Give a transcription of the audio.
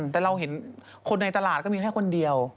แต่เราเห็นคนในตลาดก็มีแค่คนเดียว